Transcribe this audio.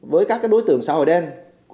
với các đối tượng xã hội đen